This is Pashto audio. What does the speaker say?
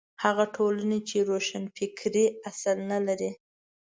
هغه ټولنې چې روښانفکرۍ اصل نه لري.